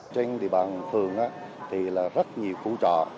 trên địa bàn phường thì là rất nhiều khu trọ